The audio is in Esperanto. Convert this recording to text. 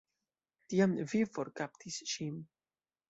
Tiam vi forkaptis ŝin.